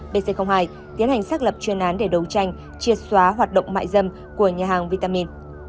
pc hai tiến hành xác lập chuyên án để đấu tranh triệt xóa hoạt động mại dâm của nhà hàng vitamin